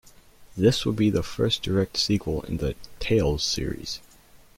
This would be the first direct sequel in the "Tales" series.